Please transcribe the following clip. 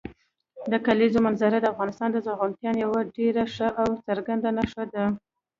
د کلیزو منظره د افغانستان د زرغونتیا یوه ډېره ښه او څرګنده نښه ده.